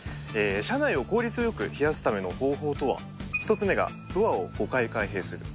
車内を効率よく冷やすための方法とは、１つ目がドアを５回開閉する。